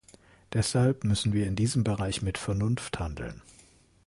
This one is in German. Deshalb müssen wir in diesem Bereich mit Vernunft handeln.